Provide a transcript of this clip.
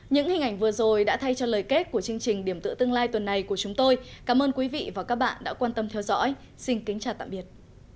những hình ảnh vừa rồi đã thay cho lời kết của chương trình điểm tựa tương lai tuần này của chúng tôi cảm ơn quý vị và các bạn đã quan tâm theo dõi xin kính chào tạm biệt